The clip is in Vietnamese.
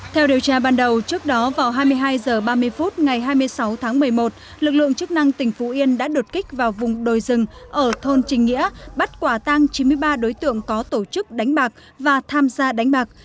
theo điều tra ban đầu trước đó vào hai mươi hai h ba mươi phút ngày hai mươi sáu tháng một mươi một lực lượng chức năng tỉnh phú yên đã đột kích vào vùng đồi rừng ở thôn trình nghĩa bắt quả tang chín mươi ba đối tượng có tổ chức đánh bạc và tham gia đánh bạc